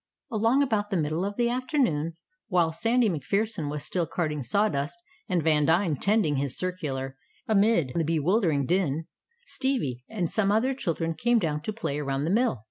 Along about the middle of the afternoon, while Sandy MacPherson was still carting sawdust, and Vandine tending his circular amid the bewildering din, Stevie and some other children came down to play around the mill.